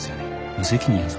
無責任やぞ。